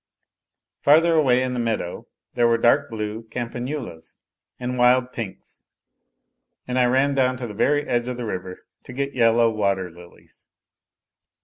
Farther away in the meadow there were dark blue campanulas and wild pinks, and I ran down to the very edge of the river to get yellow water lilies.